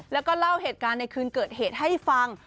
แล้วก็เล่าเหตุการณ์ในคืนเกิดเหตุให้ฟัง